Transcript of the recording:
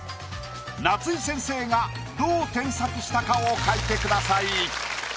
夏井先生がどう添削したかを書いてください。